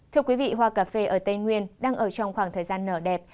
thưa quý vị hoa cà phê ở tây nguyên đang ở trong khoảng thời gian nở đẹp